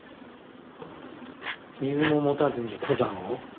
水も持たずに登山を？